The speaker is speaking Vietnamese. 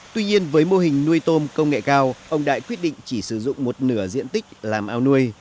tuy nhiên với mô hình nuôi tôm công nghệ cao ông đại quyết định chỉ sử dụng một nửa diện tích làm ao nuôi